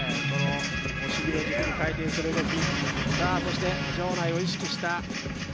腰を軸に回転する動き。